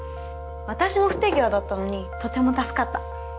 私の不手際だったのにとても助かった。